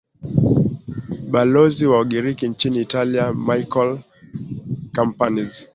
balozi wa ugiriki nchini italia michael kampaniz